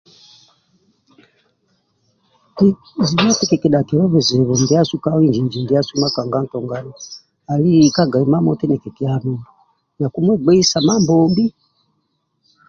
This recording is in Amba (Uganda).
Zibe eti kikidhakiabe bizibu ndiasu ka inji nji ndasu makanga tongani ali kumwegbeisa Mambombi